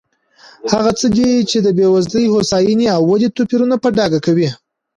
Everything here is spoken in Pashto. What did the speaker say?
هغه څه دي چې د بېوزلۍ، هوساینې او ودې توپیرونه په ډاګه کوي.